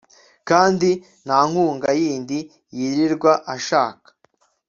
kandi nta nkunga yindi yirirwa ashaka